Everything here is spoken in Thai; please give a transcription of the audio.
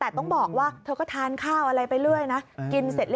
เหมือนคุยกันก่อน